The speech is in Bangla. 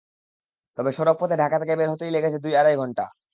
তবে সড়কপথে ঢাকা থেকে বের হতেই লেগেছে দুই থেকে আড়াই ঘণ্টা।